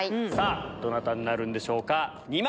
どなたになるんでしょうか。